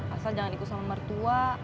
asal jangan ikut sama mertua